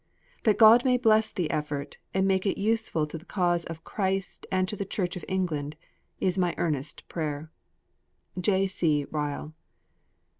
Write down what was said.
That God may bless the effort, and make it useful to the cause of Christ and to the Church of England, is my earnest prayer. J. C. RYLE.